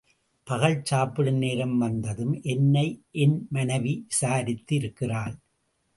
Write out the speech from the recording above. பகல் சாப்பிடும் நேரம் வந்ததும் என்னை என் மனைவி விசாரித்து இருக்கிறாள்.